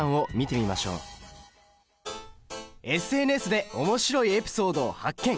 ＳＮＳでおもしろいエピソードを発見！